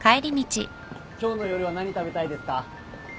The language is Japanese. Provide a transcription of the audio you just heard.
今日の夜は何食べたいですか？